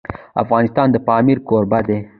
افغانستان د پامیر کوربه دی.